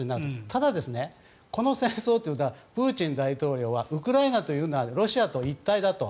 ただ、この戦争というのはプーチン大統領はウクライナというのはロシアと一体だと。